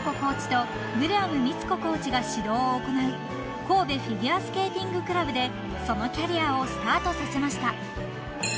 コーチとグレアム充子コーチが指導を行う神戸フィギュアスケーティングクラブでそのキャリアをスタートさせました］